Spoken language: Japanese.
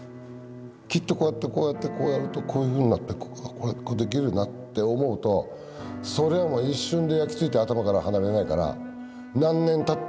きっとこうやってこうやってこうやるとこういうふうになってできるなって思うとそれはもう一瞬で焼き付いて頭から離れないから何年たってもできる。